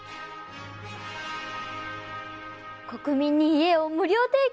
国民に家を無料提供！？